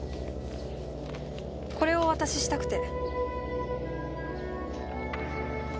これをお渡ししたくて。